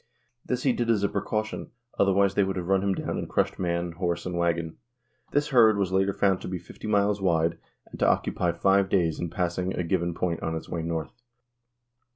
This he did as a protection, otherwise they would have run him down and crushed man, horses, and wagon. This herd was later found to be fifty miles wide and to occupy five days in passing a given point on its way north.